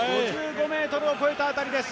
５５ｍを越えた辺りです。